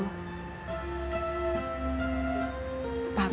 bukan orang jahat